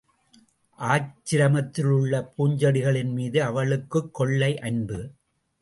ஆசிரமத்திலுள்ள பூஞ்செடிகளின்மீது அவளுக்குக் கொள்ளை அன்பு.